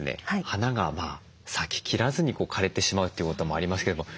花が咲ききらずに枯れてしまうということもありますけれども。